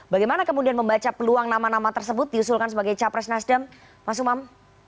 bagaimana kemudian membaca peluang nama nama tersebut diusulkan sebagai capres nasdem mas umam